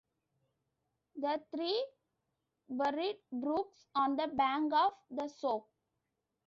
The three buried Brooks on the bank of the soak.